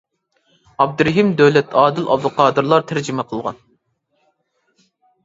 ئابدۇرېھىم دۆلەت، ئادىل ئابدۇقادىرلار تەرجىمە قىلغان.